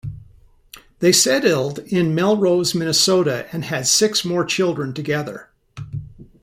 They settled in Melrose, Minnesota and had six more children together.